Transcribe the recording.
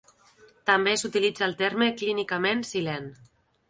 També s'utilitza el terme clínicament silent.